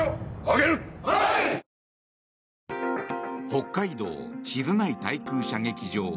北海道・静内対空射撃場。